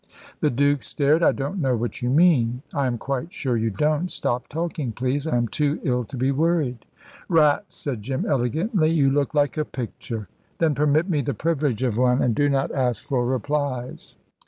The Duke stared. "I don't know what you mean." "I am quite sure you don't. Stop talking, please. I am too ill to be worried." "Rats," said Jim, elegantly; "you look like a picture.* "Then permit me the privilege of one, and do not ask for replies."